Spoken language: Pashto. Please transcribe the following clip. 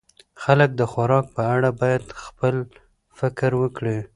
خلک د خوراک په اړه باید خپل فکر وکړي.